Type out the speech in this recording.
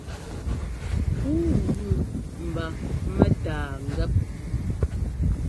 Pûu gʉ mba mɛ́tâa ŋgɛ́p.